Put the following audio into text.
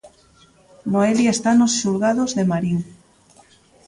Noelia está nos xulgados de Marín.